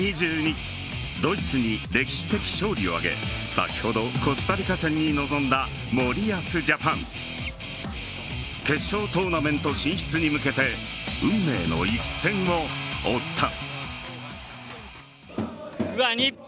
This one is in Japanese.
ドイツに歴史的勝利を挙げ先ほどコスタリカ戦に臨んだ森保ジャパン。決勝トーナメント進出に向けて運命の一戦を追った。